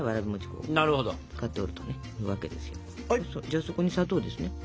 じゃあそこに砂糖ですね。